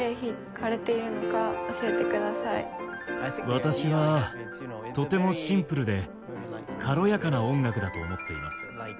私はとてもシンプルで軽やかな音楽だと思っています。